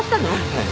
はい。